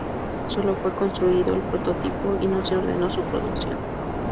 Sólo fue construido el prototipo y no se ordenó su producción.